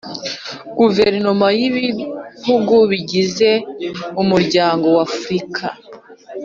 Guverinoma z Ibihugu bigize Umuryango w afurika